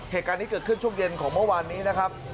เหตุการณ์นี้เกิดขึ้นช่วงเย็นของเมื่อวานนี้นะครับ